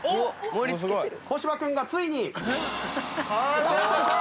小柴君がついに。完成しました！